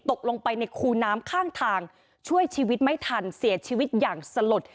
ตกลงไปในคูน้ำข้างทางช่วยชีวิตไม่ทันเสียชีวิตอย่างสลด